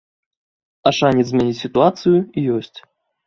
А шанец змяніць сітуацыю ёсць.